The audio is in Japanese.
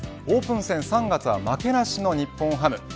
オープン戦３月は負けなしの日本ハム。